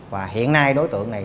và hiện nay đối tượng này